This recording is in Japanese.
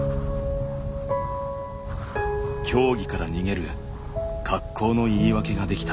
競技から逃げる格好の言い訳ができた。